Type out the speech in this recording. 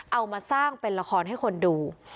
เอามาสร้างเป็นละครให้คนดู